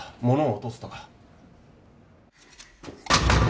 ものを落とすとか。